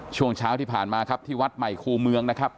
ช่วงเช้าที่ผ่านมาครับที่วัดใหม่คู่เมืองนะครับ